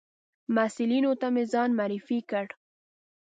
محصلینو ته مې ځان معرفي کړ.